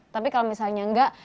tapi kalo misalnya enggak